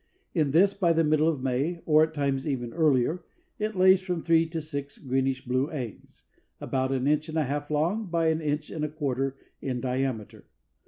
In this by the middle of May, or at times even earlier, it lays from three to six greenish blue eggs, about an inch and a half long by an inch and a quarter in diameter.